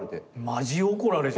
マジ怒られじゃ。